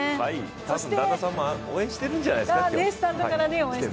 たぶん旦那さんも応援してるんじゃないですか、今日。